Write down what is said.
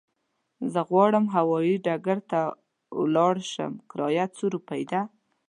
زه غواړم هوايي ډګر ته ولاړ شم، کرايه څو روپی ده؟